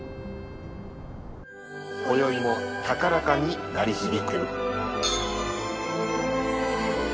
こよいも高らかに鳴り響く。